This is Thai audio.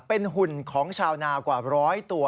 เป็นหุ่นของชาวนากว่าร้อยตัว